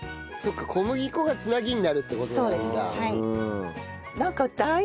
そっか小麦粉が繋ぎになるって事なんだ。